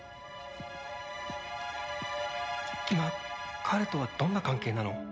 君は彼とはどんな関係なの？